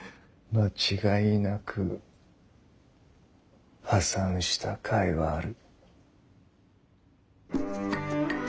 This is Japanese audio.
間違いなく「破産」したかいはある。